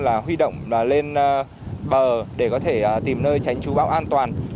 là huy động lên bờ để có thể tìm nơi tránh trú bão an toàn